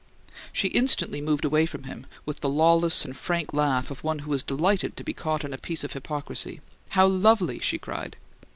She instantly moved away from him, with the lawless and frank laugh of one who is delighted to be caught in a piece of hypocrisy. "How lovely!" she cried.